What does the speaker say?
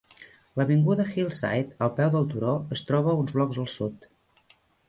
L'avinguda Hillside, al peu del turó, es troba uns blocs al sud.